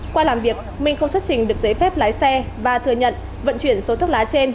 qua làm việc minh không xuất trình được giấy phép lái xe và thừa nhận vận chuyển số thuốc lá trên